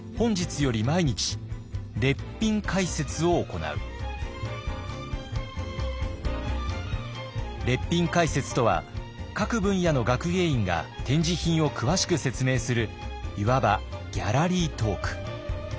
昭和十八年列品解説とは各分野の学芸員が展示品を詳しく説明するいわばギャラリートーク。